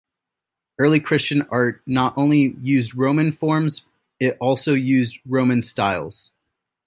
Early Christian art not only used Roman forms, it also used Roman styles.